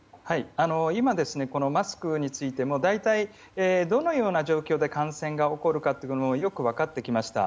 今、マスクについても大体、どのような状況で感染が起こるかというのもよく分かってきました。